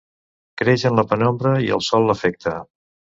Creix en la penombra i el sol l'afecta.